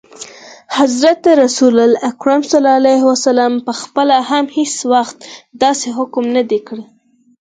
حضرت رسول اکرم ص پخپله هم هیڅ وخت داسي حکم نه دی کړی.